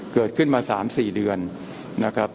เกิดขึ้นมา๓๔เดือนนะครับ